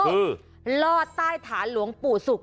ลอดใต้ฐานหลวงปู่ศุกร์